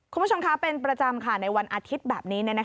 คุณผู้ชมคะเป็นประจำค่ะในวันอาทิตย์แบบนี้